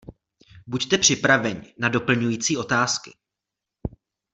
Buďte připraveni na doplňující otázky.